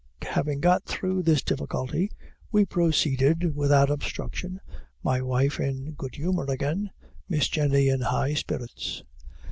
Having got through this difficulty, we proceeded without obstruction my wife in good humor again Miss Jenny in high spirits.